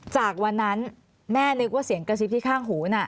จากวันนั้นแม่นึกว่าเสียงกระซิบที่ข้างหูน่ะ